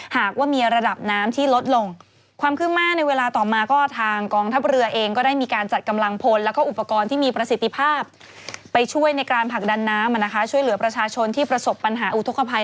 หลักดันน้ำนะคะช่วยเหลือประชาชนที่ประสบปัญหาอูทกภัย